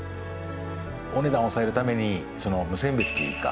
お値段抑えるために無選別っていうか。